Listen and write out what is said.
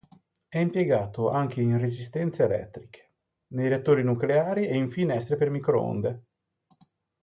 È impiegato anche in resistenze elettriche, nei reattori nucleari e in finestre per microonde.